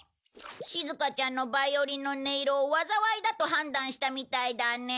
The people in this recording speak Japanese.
しずかちゃんのバイオリンの音色を災いだと判断したみたいだね。